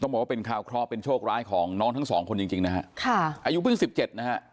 บอกว่าเป็นข่าวเคราะห์เป็นโชคร้ายของน้องทั้งสองคนจริงจริงนะฮะค่ะอายุเพิ่งสิบเจ็ดนะฮะ